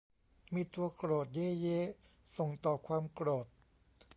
มีตัวโกรธ เย้ เย้ ส่งต่อความโกรธ